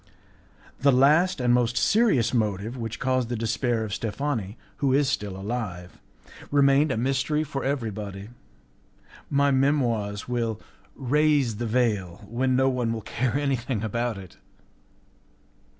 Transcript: The last and most serious motive which caused the despair of Steffani, who is still alive, remained a mystery for everybody. My Memoirs will raise the veil when no one will care anything about it.